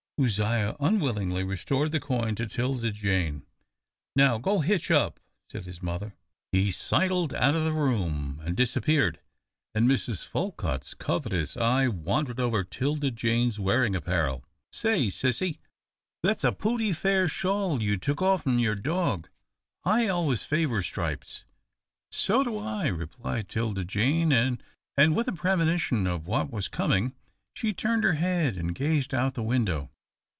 Uzziah unwillingly restored the coin to 'Tilda Jane. "Now go hitch up," said his mother. He sidled out of the room and disappeared, and Mrs. Folcutt's covetous eye wandered over 'Tilda Jane's wearing apparel. "Say, sissy, that's a pooty fair shawl you took off'n your dog. I always favour stripes." "So do I," replied 'Tilda Jane, and, with a premonition of what was coming, she turned her head and gazed out the window.